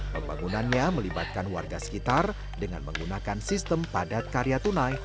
pembangunannya melibatkan warga sekitar dengan menggunakan sistem padat karya tunai